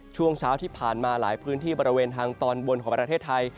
ช่วงเช้าที่ผ่านมาหลายพื้นที่บริเวณทางตอนบนของประเทศไทย